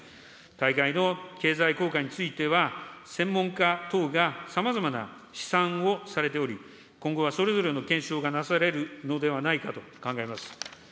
大会の経済効果については、専門家等がさまざまな試算をされており、今後はそれぞれの検証がなされるのではないかと考えます。